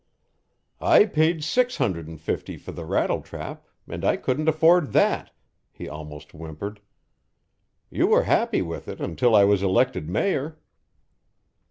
"I paid six hundred and fifty for the rattletrap, and I couldn't afford that," he almost whimpered. "You were happy with it until I was elected mayor."